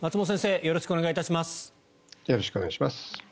よろしくお願いします。